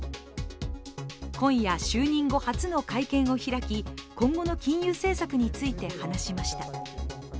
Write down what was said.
今夜、就任後初の会見を開き今後の金融政策について話しました。